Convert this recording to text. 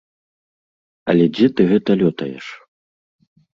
Але дзе ты гэта лётаеш?